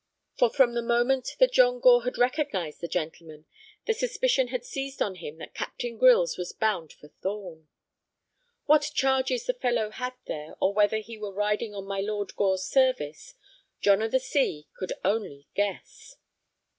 For from the moment that John Gore had recognized the gentleman, the suspicion had seized on him that Captain Grylls was bound for Thorn. What charges the fellow had there, or whether he were riding on my Lord Gore's service, John o' the Sea could only guess.